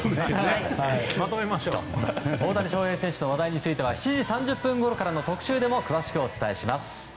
大谷選手の話題については７時３０分ごろからの特集で詳しくお伝えします。